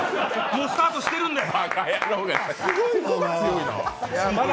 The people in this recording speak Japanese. もうスタートしてるんだよ。